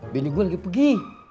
bini gua lagi pergi